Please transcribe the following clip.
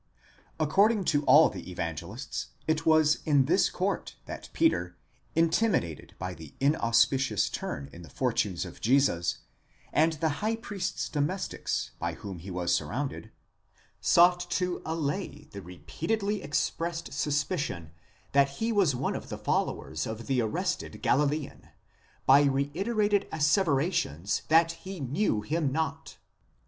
According to all the Evangelists, it was in this cour#, αὐλὴ, that Peter, in timidated by the inauspicious turn in the fortunes of Jesus, and the high priest's domestics by whom he was surrounded, sought to allay the repeatedly expressed suspicion that he was one of the followers of the arrested Galilean, by reiterated asseverations that he knew him not.